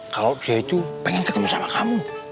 kalau saya itu pengen ketemu sama kamu